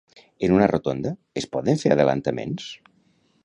En una rotonda, es poden fer adelantaments?